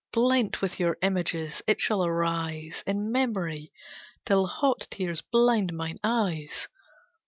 Blent with your images, it shall arise In memory, till the hot tears blind mine eyes!